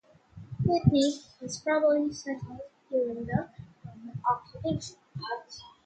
Putney was probably settled during the Roman occupation.